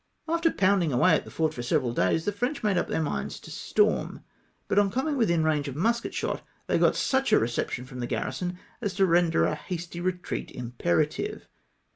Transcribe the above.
After pounding away at the fort for several days, the French made up theu" minds to storm, but on coming within range of musket shot, they got such a reception from the garrison as to render a hasty retreat im perative.